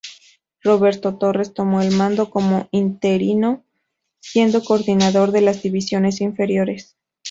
Roberto Torres tomó el mando como interino, siendo coordinador de las Divisiones Inferiores.